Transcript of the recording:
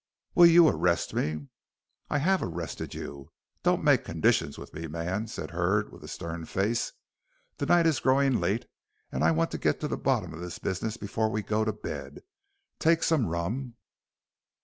"Will you arrest me?" "I have arrested you. Don't make conditions with me, man," said Hurd, with a stern face. "The night is growing late and I want to get to the bottom of this business before we go to bed. Take some rum."